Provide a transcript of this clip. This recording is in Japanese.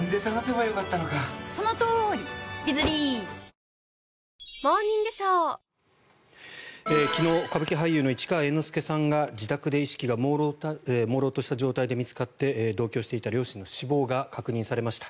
乳酸菌が一時的な胃の負担をやわらげる昨日、歌舞伎俳優の市川猿之助さんが自宅で意識がもうろうとした状態で見つかって同居していた両親の死亡が確認されました。